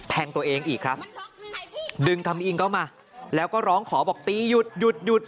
แทงตัวเองอีกครับดึงทำอิงเข้ามาแล้วก็ร้องขอบอกตีหยุดหยุดหยุด